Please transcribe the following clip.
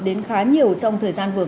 đến khá nhiều trong thời gian vừa